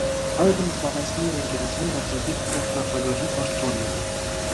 Այժմ զբաղեցնում է ընկերության գործադիր փոխնախագահի պաշտոնը։